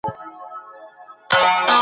د افغانستان وروستۍ پېښې د خلګو په ګټه نه وې.